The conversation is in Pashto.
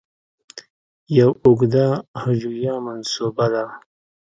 یو اوږده هجویه منسوبه ده.